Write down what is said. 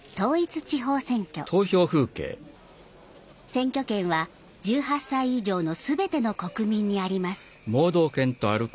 選挙権は１８歳以上のすべての国民にあります。